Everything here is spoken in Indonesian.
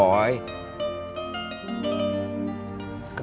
udah lah ganti topik aja